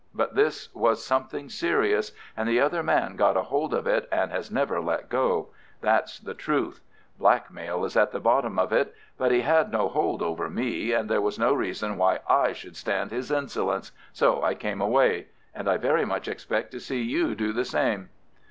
But this was something serious, and the other man got a hold of it and has never let go. That's the truth. Blackmail is at the bottom of it. But he had no hold over me, and there was no reason why I should stand his insolence, so I came away—and I very much expect to see you do the same."